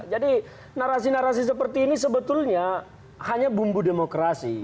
jadi narasi narasi seperti ini sebetulnya hanya bumbu demokrasi